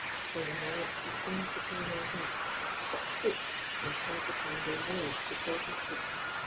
For the moment he seemed to pay no heed, but stooped and held the candle low before his feet.